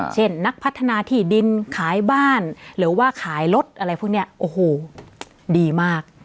นักพัฒนาที่ดินขายบ้านหรือว่าขายรถอะไรพวกนี้โอ้โหดีมาก